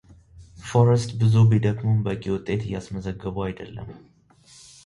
ፎረስት ብዙ ቢደክሙም በቂ ውጤት እየስመዘገቡ አይደለም።